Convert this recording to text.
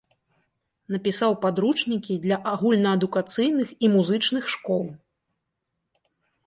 Напісаў падручнікі для агульнаадукацыйных і музычных школ.